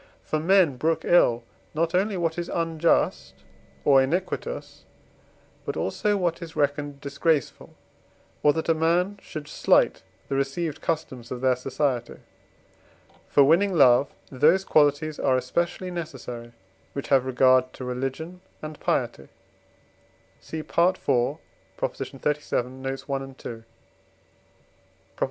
For men brook ill not only what is unjust or iniquitous, but also what is reckoned disgraceful, or that a man should slight the received customs of their society. For winning love those qualities are especially necessary which have regard to religion and piety (cf. IV. xxxvii. notes. i. ii.